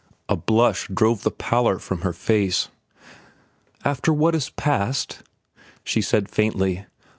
A blush drove the pallor from her face. "After what has passed?" she said faintly.